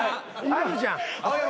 あるじゃん。